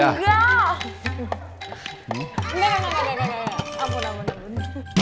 ampun ampun ampun